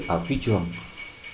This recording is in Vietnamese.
ở phi trường islamabad